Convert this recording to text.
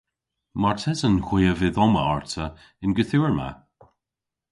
Martesen hwi a vydh omma arta y'n gorthugher ma.